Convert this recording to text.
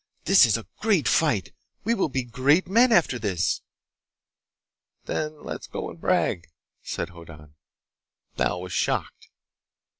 This is a great fight! We will be great men, after this!" "Then let's go and brag," said Hoddan. Thal was shocked.